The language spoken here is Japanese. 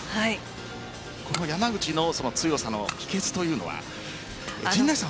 山口の強さの秘訣というのは陣内さんは